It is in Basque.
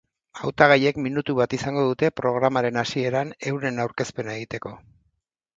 Hautagaiek minutu bat izango dute programaren hasieran euren aurkezpena egiteko.